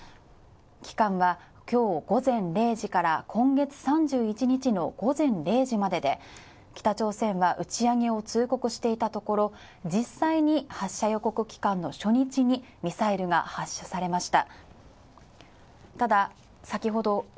期間は今日午前０時から今月３１日の午前０時までで北朝鮮は打ち上げを通告していたところ、実際に発射予告期間の初日にミサイルが発射されました。